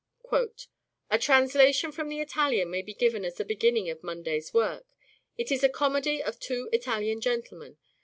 " A translation from the Italian may be given as the beginning of Monday's work. (It is) a comedy of Two Italian Gentleman